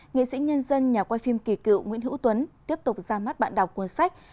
nghệ sĩ nhân dân nhà quay phim kỳ cựu nguyễn hữu tuấn tiếp tục ra mắt bạn đọc cuốn sách